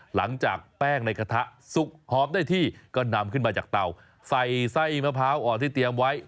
หลังจากแป้งในกระทะสุกหอมได้ที่ก็นำขึ้นมาจากเตาใส่ไส้มะพร้าวอ่อนที่เตรียมไว้